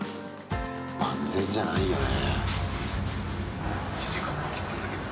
万全じゃないよね。